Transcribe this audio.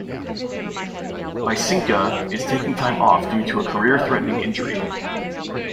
Myskina is taking time off due to a career-threatening injury.